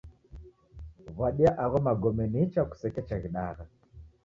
W'adia agho magome nicha kusekecha ghidagha.